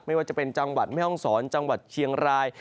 ไม่ว่าจะเป็นจังหวัดแม่ห้องศรจังหวัดเชียงราย